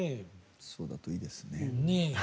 そうだといいですね。